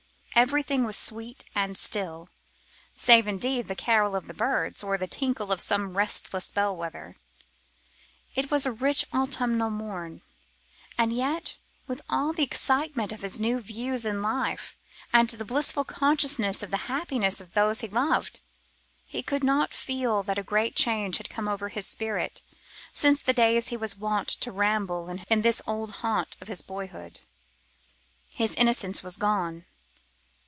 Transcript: Everything was sweet and still, save, indeed, the carol of the birds, or the tinkle of some restless bellwether. It was a rich autumnal morn. And yet with all the excitement of his new views in life, and the blissful consciousness of the happiness of those he loved, he could not but feel that a great change had come over his spirit since the days he was wont to ramble in this old haunt of his boyhood. His innocence was gone.